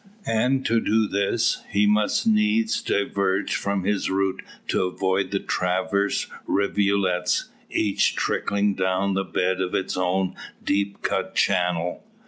And to do this, he must needs diverge from his route to avoid the transverse rivulets, each trickling down the bed of its own deep cut channel.